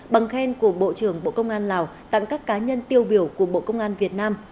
bằng khen của bộ trưởng bộ công an lào tặng các cá nhân tiêu biểu của bộ công an việt nam